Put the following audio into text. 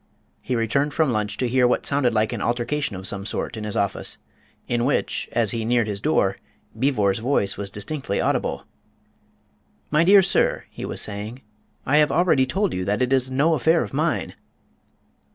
He returned from lunch to hear what sounded like an altercation of some sort in his office, in which, as he neared his door, Beevor's voice was distinctly audible. "My dear sir," he was saying, "I have already told you that it is no affair of mine."